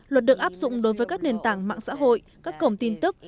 luật được áp dụng đối với các nền tảng mạng xã hội các cổng tin tức